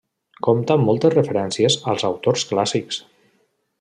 Compta amb moltes referències als autors clàssics.